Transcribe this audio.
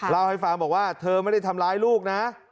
เล่าให้ฟังบอกว่าเธอไม่ได้ทำร้ายลูกนะ